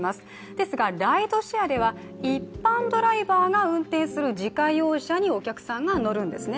ですがライドシェアでは、一般ドライバーが運転する自家用車にお客さんが乗るんですね。